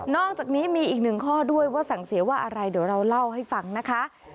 อกจากนี้มีอีกหนึ่งข้อด้วยว่าสั่งเสียว่าอะไรเดี๋ยวเราเล่าให้ฟังนะคะ